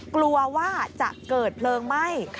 กลัวว่าจะเกิดเพลิงไหม้